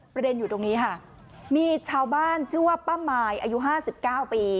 ประเด็นอยู่ตรงนี้มีชาวบ้านชื่อว่าป้าหมายอายุ๕๙ปี